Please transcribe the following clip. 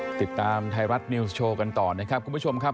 ติดตามไทยรัฐนิวส์โชว์กันต่อนะครับคุณผู้ชมครับ